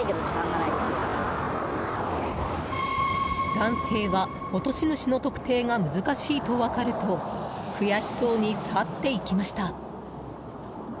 男性は、落とし主の特定が難しいと分かると悔しそうに去っていきました。